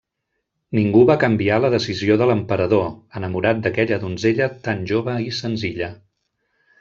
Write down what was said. Ningú va canviar la decisió de l'emperador, enamorat d'aquella donzella tan jove i senzilla.